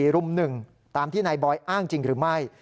รุ่ม๑ตามที่นายบอยอ้างจริงหรือไม่